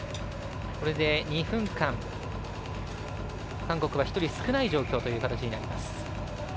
これで２分間、韓国は１人少ない状況ということになります。